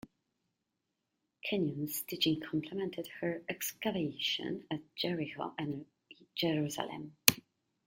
Kenyon's teaching complemented her excavations at Jericho and Jerusalem.